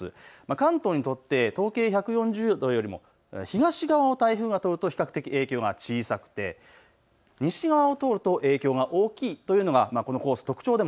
関東にとって東経１４０度よりも東側を台風が通ると比較的、影響が小さくて西側を通ると影響が大きいというのがこのコース